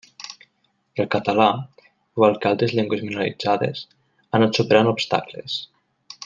El català, igual que altres llengües minoritzades, ha anat superant obstacles.